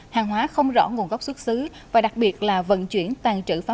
hàng hóa không rõ nguồn gốc xuất xứ và đặc biệt là vận chuyển tàn trữ pháo